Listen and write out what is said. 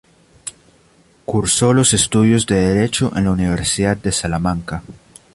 Cursó los estudios de Derecho en la Universidad de Salamanca.